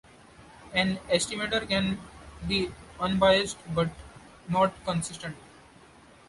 An estimator can be unbiased but not consistent.